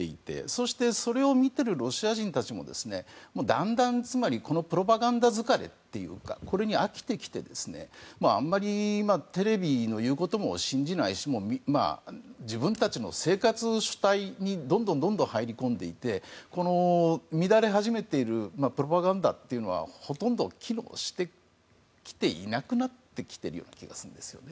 そして、それを見ているロシア人たちもだんだん、つまりプロパガンダ疲れというかこれに飽きてきてあまりテレビの言うことも信じないし自分たちの生活主体にどんどん入り込んでいてこの乱れ始めているプロパガンダというのはほとんど機能しなくなってきている気がします。